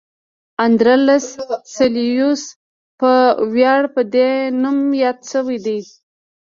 اندرلس سلسیوس په ویاړ په دې نوم یاد شوی دی.